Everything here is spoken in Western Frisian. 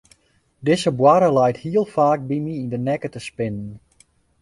Dizze boarre leit hiel faak by my yn de nekke te spinnen.